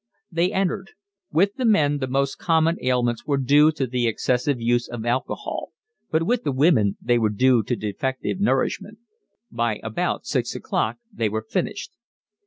They entered. With the men the most common ailments were due to the excessive use of alcohol, but with the women they were due to defective nourishment. By about six o'clock they were finished.